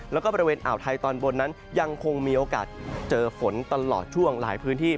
แล้วก็บริเวณอ่าวไทยตอนบนนั้นยังคงมีโอกาสเจอฝนตลอดช่วงหลายพื้นที่